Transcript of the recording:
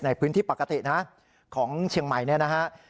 ในพื้นที่ปกตินะของเชียงใหม่เนี่ยนะฮะ